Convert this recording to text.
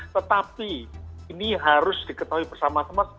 tetapi ini harus diketahui bersama sama